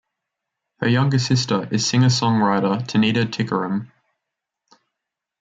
His younger sister is singer-songwriter Tanita Tikaram.